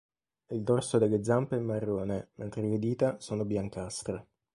Il dorso delle zampe è marrone, mentre le dita sono biancastre.